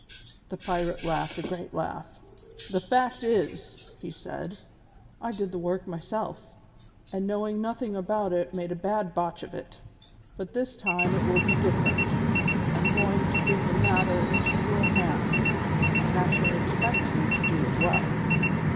The pirate laughed a great laugh. "The fact is," he said, "I did the work myself, and knowing nothing about it made a bad botch of it, but this time it will be different. I am going to give the matter into your hands, and I shall expect you to do it well.